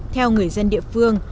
theo người dân địa phương